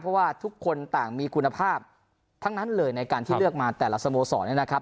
เพราะว่าทุกคนต่างมีคุณภาพทั้งนั้นเลยในการที่เลือกมาแต่ละสโมสรเนี่ยนะครับ